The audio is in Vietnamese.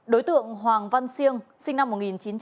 đối tượng hoàng văn siêng sinh năm một nghìn chín trăm bảy mươi chín